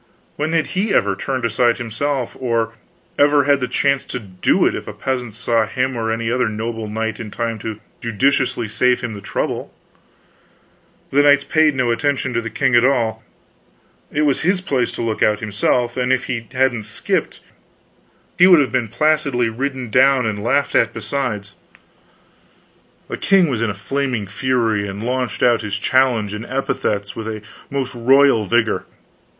When had he ever turned aside himself or ever had the chance to do it, if a peasant saw him or any other noble knight in time to judiciously save him the trouble? The knights paid no attention to the king at all; it was his place to look out himself, and if he hadn't skipped he would have been placidly ridden down, and laughed at besides. The king was in a flaming fury, and launched out his challenge and epithets with a most royal vigor.